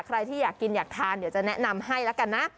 ใครที่อยากกินอยากทานเดี๋ยวจะแนะนำให้แล้วกันนะ